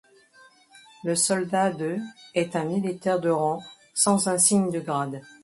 Le soldat de est un militaire du rang sans insigne de grade.